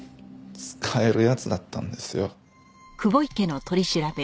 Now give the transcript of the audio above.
使える奴だったんですよ。